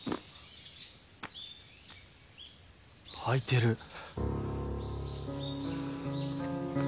開いてる。